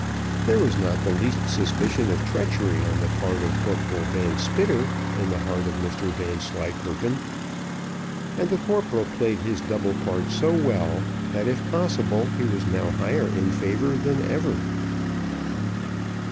There was not the least suspicion of treachery on the part of Corporal Van Spitter in the heart of Mr Vanslyperken, and the corporal played his double part so well, that if possible he was now higher in favour than ever.